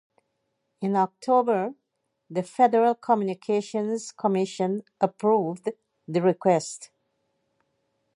In October, the Federal Communications Commission approved the request.